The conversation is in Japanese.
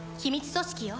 組織よ